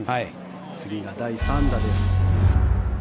次が第３打です。